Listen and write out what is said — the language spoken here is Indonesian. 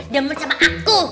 demer sama aku